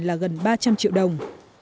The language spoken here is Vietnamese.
là gần ba trăm linh triệu đồng